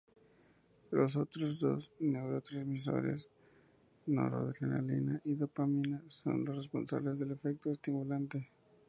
Los otros dos neurotransmisores, noradrenalina y dopamina, son los responsables del efecto estimulante.